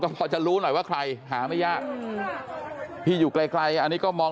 พอจะรู้หน่อยว่าใครหาไม่ยากพี่อยู่ไกลอันนี้ก็มอง